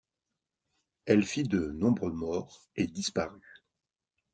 Elle fit de nombreux morts et disparus.